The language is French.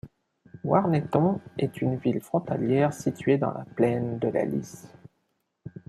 Warneton est une ville frontalière située dans la Plaine de la Lys.